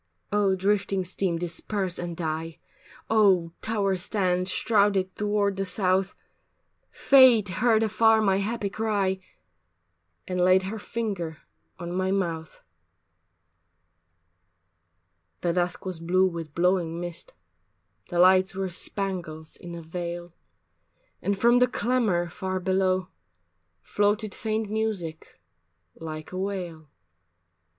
. Oh drifting steam disperse and die, Oh tower stand shrouded toward the south, Fate heard afar my happy cry, And laid her finger on my mouth. III The dusk was blue with blowing mist, The lights were spangles in a veil, And from the clamor far below Floated faint music like a wail.